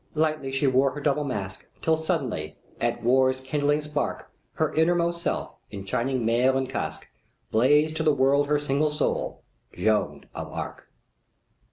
"Lightly she wore her double mask, Till sudden, at war's kindling spark, Her inmost self, in shining mail and casque, Blazed to the world her single soul Jeanne d'Arc!"